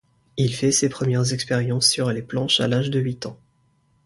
Il fait ses premières expériences sur les planches à l'âge de huit ans.